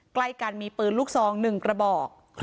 ใกล้กันมีปืนลูกซอง๑กระบอก